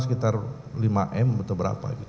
sekitar lima m atau berapa gitu